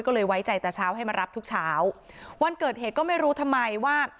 ก็เลยไว้ใจแต่เช้าให้มารับทุกเช้าวันเกิดเหตุก็ไม่รู้ทำไมว่า